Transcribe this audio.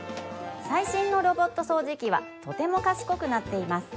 最新のロボット掃除機はとても賢くなっています